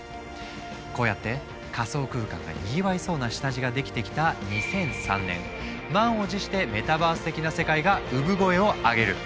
こうやって仮想空間がにぎわいそうな下地ができてきた２００３年満を持してメタバース的な世界が産声を上げる。